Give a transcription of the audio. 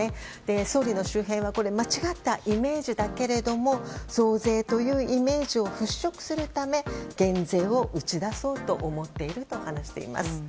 総理の周辺は間違ったイメージだけれども増税というイメージを払拭するため減税を打ち出そうと思っていると話しています。